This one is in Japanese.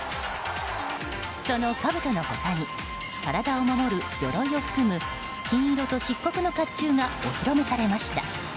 そのかぶとの他に体を守る鎧を含む金色と漆黒の甲冑がお披露目されました。